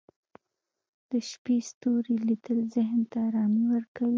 د شپې ستوري لیدل ذهن ته ارامي ورکوي